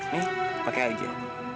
nih pakai aja